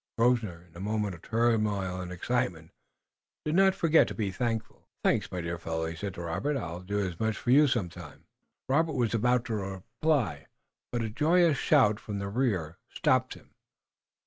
Grosvenor, in the moment of turmoil and excitement, did not forget to be grateful. "Thanks, my dear fellow," he said to Robert. "I'll do as much for you some time." Robert was about to reply, but a joyous shout from the rear stopped him.